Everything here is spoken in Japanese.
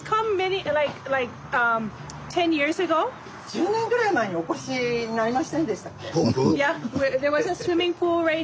１０年ぐらい前にお越しになりませんでしたっけ？